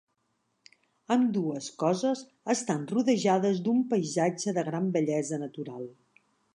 Ambdues coses estan rodejades d'un paisatge de gran bellesa natural.